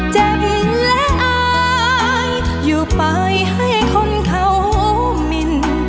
เจ็บและอายอยู่ไปให้คนเขามิน